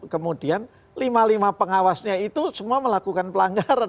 kemudian lima lima pengawasnya itu semua melakukan pelanggaran